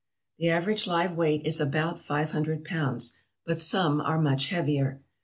The average live weight is about 500 pounds, but some are much heavier.